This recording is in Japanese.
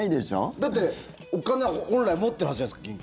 だって、お金を本来持ってるはずじゃないですか銀行。